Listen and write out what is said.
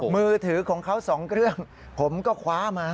มือถือของเขาสองเครื่องผมก็คว้ามา